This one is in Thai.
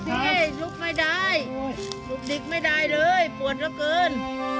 รถทับตัวสิลุกไม่ได้ลุกดิ๊กไม่ได้เลยปวดเท่าเกิน